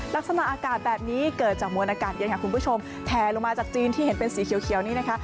ลักษณะอากาศแบบนี้เกิดจากมวลอากาศเย็นค่ะคุณผู้ชมแพลลงมาจากจีนที่เห็นเป็นสีเขียวนี้นะคะ